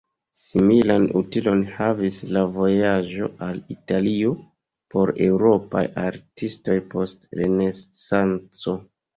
Similan utilon havis la vojaĝo al Italio por eŭropaj artistoj post Renesanco.